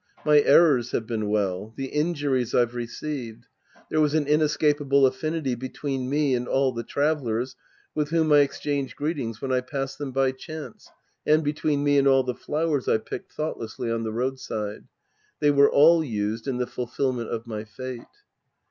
My errors have been well. The injuries I've received. There was an inescapable affinity between me and all the travelers with whom I exchanged greetings when I passed them by chance and between me and all the flowers I picked thought lessly on the roadside. They were all used in the fulfilment of my fate.